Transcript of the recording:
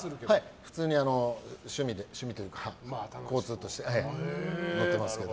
普通に趣味というか交通として乗ってますけど。